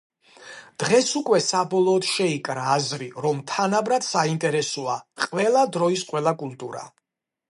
დღეს უკვე საბოლოოდ შეიკრა აზრი რომ თანაბრად საინტერესოა ყველა დროის ყველა კულტურა.